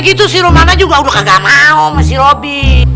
gitu sirumana juga udah kagak mau mesir oby oh gitu ya oh gitu bu haji